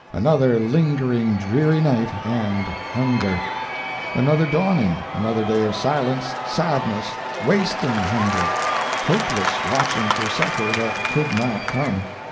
Another lingering dreary night and hunger. "Another dawning another day of silence, sadness, wasting hunger, hopeless watching for succor that could not come.